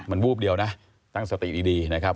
มันวูบเดียวนะตั้งสติดีนะครับ